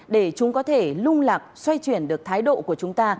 để chúng có thể lung lạc xoay chuyển được thái độ của chúng ta